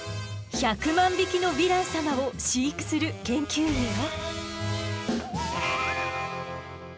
１００万匹のヴィラン様を飼育する研究員よ。